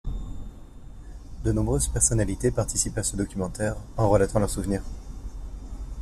De nombreuses personnalités participent à ce documentaire en relatant leurs souvenirs.